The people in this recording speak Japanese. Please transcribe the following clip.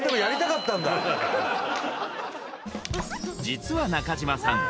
実は中島さん